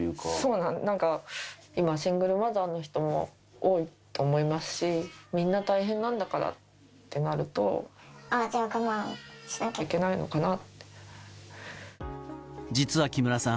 なんか今、シングルマザーの人も多いと思いますし、みんな大変なんだからってなると、ああ、じゃあ我慢しなきゃいけな実は木村さん、